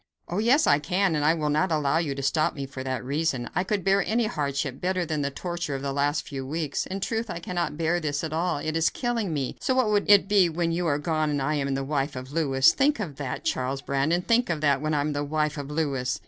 "Oh, yes I can, and I will not allow you to stop me for that reason. I could bear any hardship better than the torture of the last few weeks. In truth, I cannot bear this at all; it is killing me, so what would it be when you are gone and I am the wife of Louis? Think of that, Charles Brandon; think of that, when I am the wife of Louis.